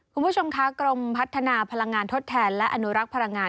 คุณผู้ชมคะกรมพัฒนาพลังงานทดแทนและอนุรักษ์พลังงาน